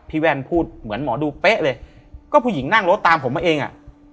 แว่นพูดเหมือนหมอดูเป๊ะเลยก็ผู้หญิงนั่งรถตามผมมาเองอ่ะ